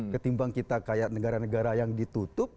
ketimbang kita kayak negara negara yang ditutup